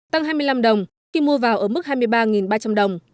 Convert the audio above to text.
tăng hai mươi năm đồng khi mua vào ở mức hai mươi ba ba trăm linh đồng